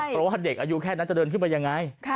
เพราะว่าเด็กอายุแค่นั้นจะเดินขึ้นไปยังไง